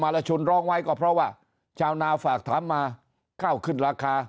รชุนร้องไว้ก็เพราะว่าชาวนาฝากถามมาข้าวขึ้นราคา